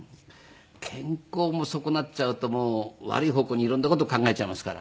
健康も損なっちゃうともう悪い方向に色んな事考えちゃいますから。